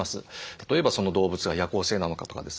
例えばその動物が夜行性なのかとかですね